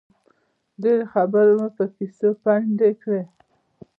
ډېرې خبرې مو په کیسو پنډې کړې.